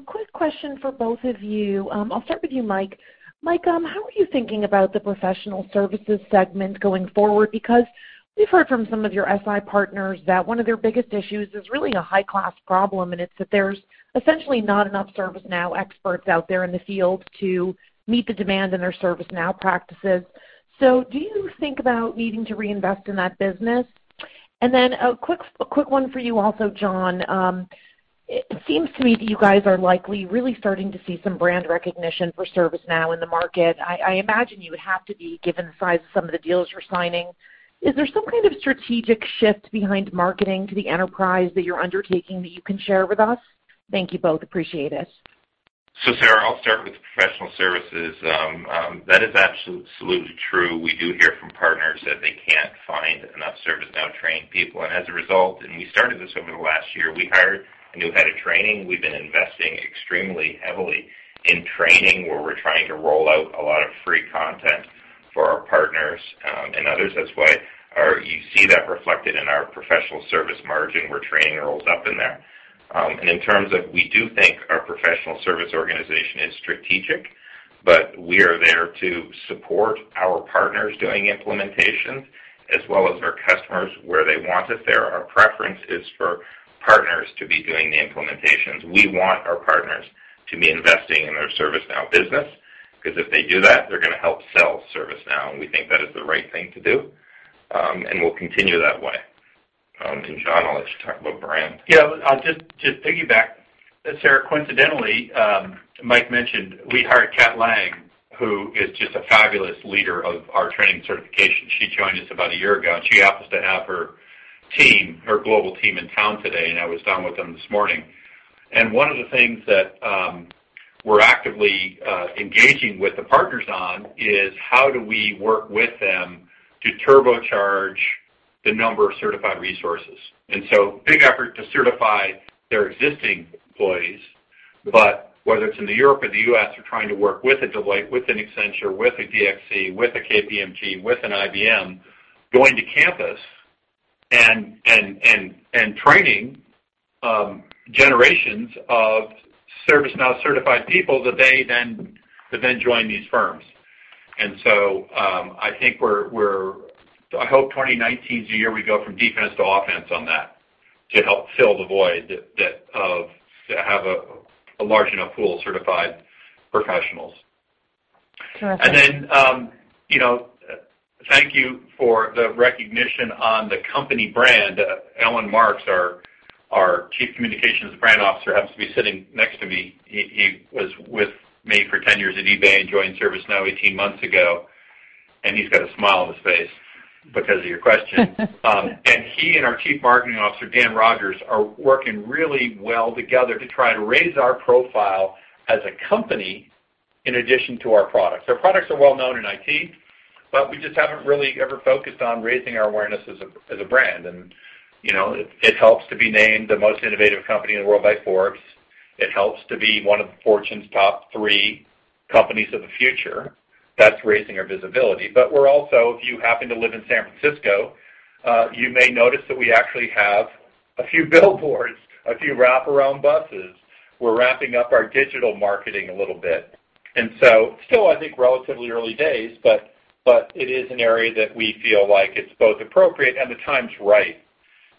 Speaker 13: Quick question for both of you. I'll start with you, Mike. Mike, how are you thinking about the professional services segment going forward? Because we've heard from some of your SI partners that one of their biggest issues is really a high-class problem, and it's that there's essentially not enough ServiceNow experts out there in the field to meet the demand in their ServiceNow practices. Do you think about needing to reinvest in that business? And then a quick one for you also, John. It seems to me that you guys are likely really starting to see some brand recognition for ServiceNow in the market. I imagine you would have to be, given the size of some of the deals you're signing. Is there some kind of strategic shift behind marketing to the enterprise that you're undertaking that you can share with us? Thank you both. Appreciate it.
Speaker 2: Sarah, I'll start with the professional services. That is absolutely true. We do hear from partners that they can't find enough ServiceNow-trained people. As a result, we started this over the last year, we hired a new head of training. We've been investing extremely heavily in training, where we're trying to roll out a lot of free content for our partners and others. That's why you see that reflected in our professional service margin, where training rolls up in there. In terms of we do think our professional service organization is strategic, but we are there to support our partners doing implementations as well as our customers where they want us there. Our preference is for partners to be doing the implementations.
Speaker 3: We want our partners to be investing in their ServiceNow business, because if they do that, they're going to help sell ServiceNow, and we think that is the right thing to do. We'll continue that way. John, I'll let you talk about brand. Yeah. I'll just piggyback. Sarah, coincidentally, Mike mentioned we hired Cat Lang, who is just a fabulous leader of our training certification. She joined us about a year ago, and she happens to have her global team in town today, and I was down with them this morning. One of the things that we're actively engaging with the partners on is how do we work with them to turbocharge the number of certified resources. So big effort to certify their existing employees. Whether it's in Europe or the U.S., we're trying to work with a Deloitte, with an Accenture, with a DXC, with a KPMG, with an IBM, going to campus and training generations of ServiceNow-certified people that they then join these firms. So I hope 2019 is the year we go from defense to offense on that to help fill the void, to have a large enough pool of certified professionals.
Speaker 13: Terrific.
Speaker 3: Thank you for the recognition on the company brand. Alan Marks, our Chief Communications Brand Officer, happens to be sitting next to me. He was with me for 10 years at eBay and joined ServiceNow 18 months ago, and he's got a smile on his face because of your question. He and our Chief Marketing Officer, Dan Rogers, are working really well together to try to raise our profile as a company in addition to our products. Our products are well-known in IT, but we just haven't really ever focused on raising our awareness as a brand. It helps to be named the most innovative company in the world by Forbes. It helps to be one of Fortune's top three companies of the future. That's raising our visibility. We're also, if you happen to live in San Francisco.
Speaker 2: You may notice that we actually have a few billboards, a few wraparound buses. We're ramping up our digital marketing a little bit. Still, I think, relatively early days, but it is an area that we feel like it's both appropriate and the time's right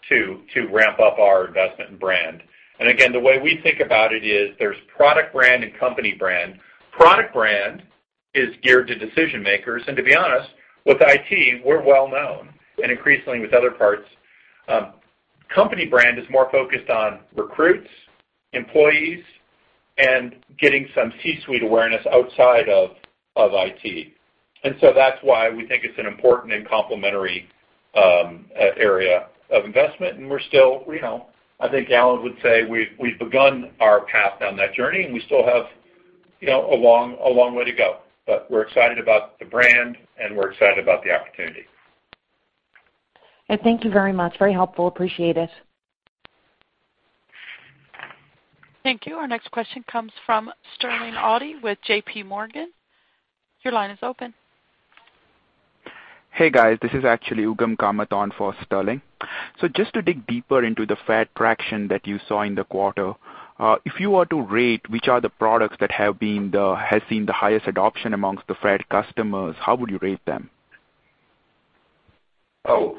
Speaker 2: to ramp up our investment in brand. Again, the way we think about it is there's product brand and company brand. Product brand is geared to decision-makers, and to be honest, with IT, we're well-known, and increasingly with other parts. Company brand is more focused on recruits, employees, and getting some C-suite awareness outside of IT. That's why we think it's an important and complementary area of investment, and we're still, I think Alan would say we've begun our path down that journey, and we still have a long way to go. We're excited about the brand, and we're excited about the opportunity.
Speaker 13: Thank you very much. Very helpful. Appreciate it.
Speaker 1: Thank you. Our next question comes from Sterling Auty with JP Morgan. Your line is open.
Speaker 14: Hey, guys. This is actually Ugam Kamat for Sterling. Just to dig deeper into the Fed traction that you saw in the quarter, if you were to rate which are the products that have seen the highest adoption amongst the Fed customers, how would you rate them?
Speaker 2: Oh,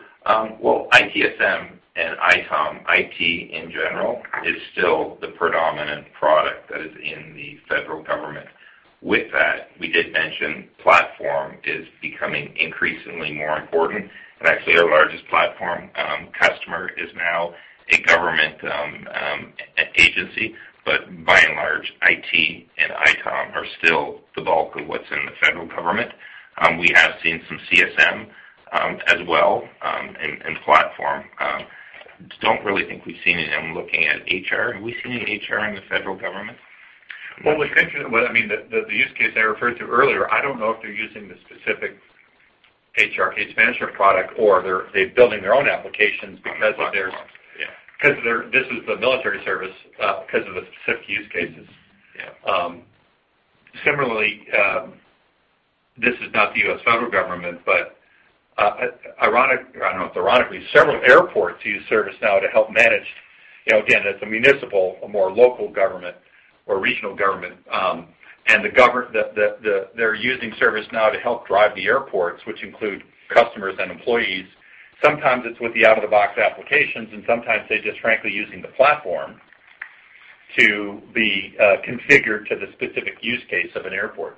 Speaker 2: well, ITSM and ITOM. IT, in general, is still the predominant product that is in the federal government. With that, we did mention platform is becoming increasingly more important. Actually, our largest platform customer is now a government agency. By and large, IT and ITOM are still the bulk of what's in the federal government. We have seen some CSM as well, and platform. Don't really think we've seen any. I'm looking at HR. Have we seen any HR in the federal government?
Speaker 3: Well, what's interesting, the use case I referred to earlier, I don't know if they're using the specific HR case management product or they're building their own applications because this is the military service because of the specific use cases.
Speaker 2: Yeah.
Speaker 3: Similarly, this is not the U.S. federal government, but ironically, I don't know if it's ironically, several airports use ServiceNow to help manage, again, that's a municipal, a more local government or regional government. They're using ServiceNow to help drive the airports, which include customers and employees. Sometimes it's with the out-of-the-box applications, and sometimes they're just frankly using the platform to be configured to the specific use case of an airport.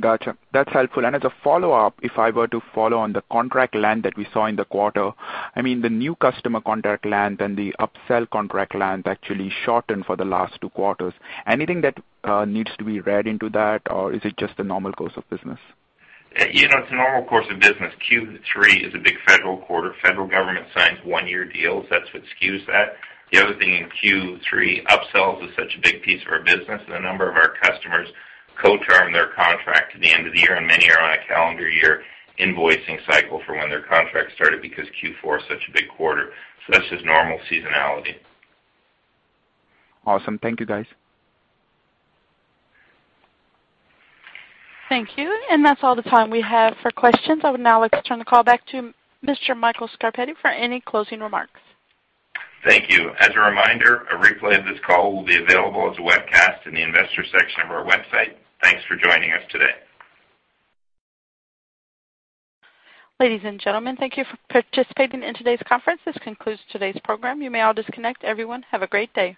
Speaker 14: Got you. That's helpful. As a follow-up, if I were to follow on the contract length that we saw in the quarter, the new customer contract length and the upsell contract length actually shortened for the last two quarters. Anything that needs to be read into that, or is it just the normal course of business?
Speaker 2: It's a normal course of business. Q3 is a big Federal quarter. Federal government signs one-year deals. That's what skews that. The other thing in Q3, upsells is such a big piece of our business, and a number of our customers co-term their contract to the end of the year, and many are on a calendar year invoicing cycle for when their contract started because Q4 is such a big quarter. That's just normal seasonality.
Speaker 14: Awesome. Thank you, guys.
Speaker 1: Thank you. That's all the time we have for questions. I would now like to turn the call back to Mr. Michael Scarpelli for any closing remarks.
Speaker 2: Thank you. As a reminder, a replay of this call will be available as a webcast in the Investors section of our website. Thanks for joining us today.
Speaker 1: Ladies and gentlemen, thank you for participating in today's conference. This concludes today's program. You may all disconnect. Everyone, have a great day.